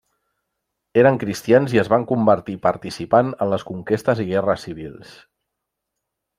Eren cristians i es van convertir participant en les conquestes i guerres civils.